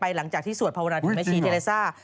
หลังจากที่สวดภาวนาถึงแม่ชีเทเลซ่า